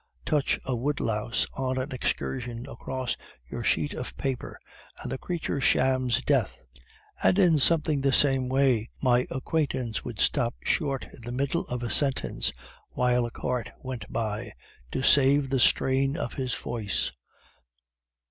Touch a wood louse on an excursion across your sheet of paper, and the creature shams death; and in something the same way my acquaintance would stop short in the middle of a sentence, while a cart went by, to save the strain to his voice.